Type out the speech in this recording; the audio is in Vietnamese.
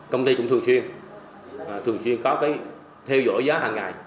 công ty cũng thường chuyên thường chuyên có theo dõi giá hằng ngày